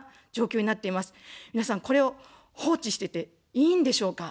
皆さん、これを放置してていいんでしょうか。